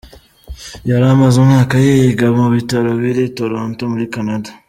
Yari amaze umwaka yiga mu Bitaro biri i Toronto muri Canada.